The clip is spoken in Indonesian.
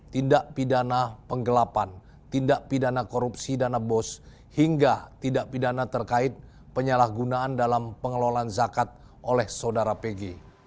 tindak pidana penggelapan tindak pidana korupsi dana bos hingga tidak pidana terkait penyalahgunaan dalam pengelolaan zakat oleh saudara pg